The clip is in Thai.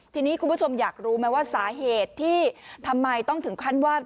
ทีนี้คุณผู้ชมอยากรู้ไหมว่าสาเหตุที่ทำไมต้องถึงขั้นว่า